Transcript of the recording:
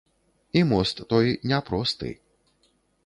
І мост той не просты.